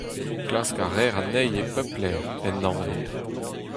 Klask a reer anezhi e pep lec'h, en aner.